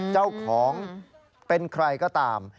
เจ้าของเป็นใครก็ตาม